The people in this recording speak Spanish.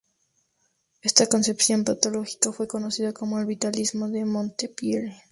Esta concepción patológica fue conocida como el "Vitalismo de Montpellier".